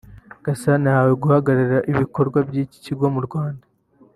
Gasana yahawe guhagararira ibikorwa by’iki kigo mu Rwanda